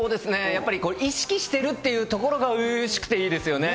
やっぱり意識してるっていうところが、初々しくていいですよね。